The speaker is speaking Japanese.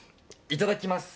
いただきます。